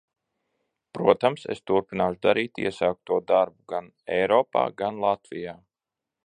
Protams, es turpināšu darīt iesākto darbu gan Eiropā, gan Latvijā.